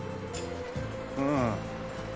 うん。